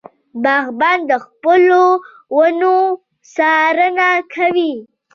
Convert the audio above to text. باغبان د خپلو ونو څارنه کوي.